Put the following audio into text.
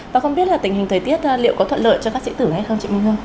và không biết là tình hình thời tiết liệu có thuận lợi cho các sĩ tử hay không chị minh hương